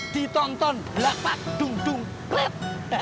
ditonton gelapa dung dung klep